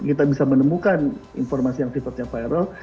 kita bisa menemukan informasi yang sifatnya viral